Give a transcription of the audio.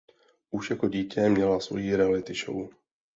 Už jako dítě měla svoji reality show.